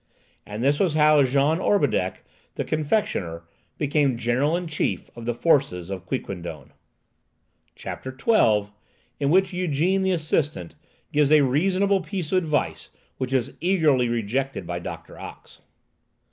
And this was how Jean Orbideck the confectioner became general in chief of the forces of Quiquendone. CHAPTER XII. IN WHICH YGÈNE, THE ASSISTANT, GIVES A REASONABLE PIECE OF ADVICE, WHICH IS EAGERLY REJECTED BY DOCTOR OX.